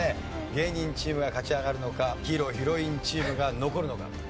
芸人チームが勝ち上がるのかヒーローヒロインチームが残るのか。